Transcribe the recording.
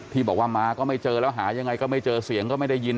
ที่บอกว่ามาก็ไม่เจอแล้วหายังไงก็ไม่เจอเสียงก็ไม่ได้ยิน